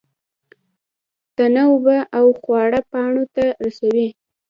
تنه اوبه او خواړه پاڼو ته رسوي